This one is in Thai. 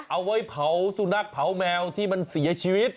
เอาไว้เผาสุนัขเผาแมวที่มันเสียชีวิต